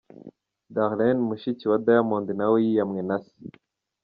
Darlene mushiki wa Diamond nawe yiyamwe na Se.